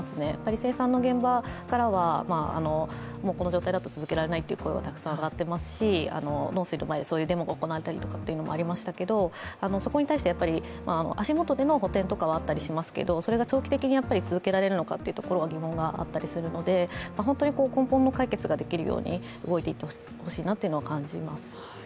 生産の現場からは、この状態だと続けられないという声はたくさん上がっていますし、農水の前でデモが行われたりもしてましたけど、そこに対して、足元での補填とかはあったりしますけれどもそれが長期的に続けられるかは疑問があったりするので、本当に根本の解決ができるように動いていってほしいなと感じます。